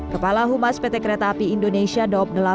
kepala humas pt kereta api indonesia daob delapan